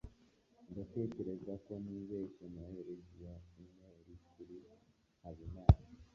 ndatekereza ko nibeshye nohereje iyo imeri kuri habimana